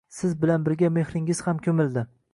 Siz bilan birga mehringiz ham koʻmildi.